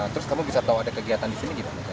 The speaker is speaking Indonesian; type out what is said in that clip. terus kamu bisa tahu ada kegiatan di sini gitu